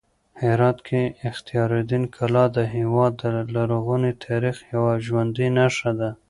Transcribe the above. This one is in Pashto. هرات کې اختیار الدین کلا د هېواد د لرغوني تاریخ یوه ژوندۍ نښه ده.